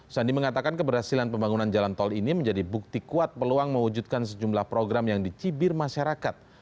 sandi mengatakan keberhasilan pembangunan jalan tol ini menjadi bukti kuat peluang mewujudkan sejumlah program yang dicibir masyarakat